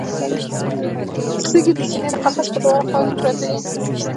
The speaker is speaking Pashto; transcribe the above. سږي د سینې د قفس په دواړو خواوو کې پراته دي